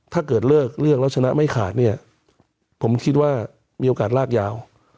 ถ้าเกิดเลิกเลือกแล้วชนะไม่ขาดเนี่ยผมคิดว่ามีโอกาสลากยาว